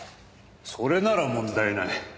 それなら問題ない。